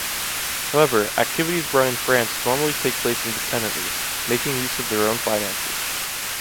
However, activities run in France normally take place independently, making use of their own finances.